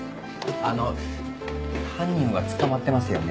あの犯人は捕まってますよね？